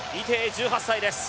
１８歳です。